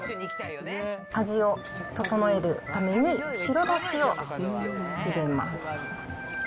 味を調えるために、白だしを入れます。